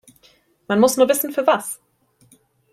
Man muss nur wissen, für was.